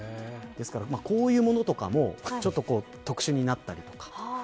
ですから、こういうものとかも特集になったりとか。